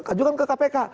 majukan ke kpk